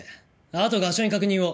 あと画商に確認を。